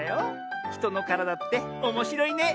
ひとのからだっておもしろいね。